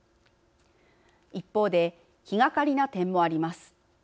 一方で、気がかりな点もあります。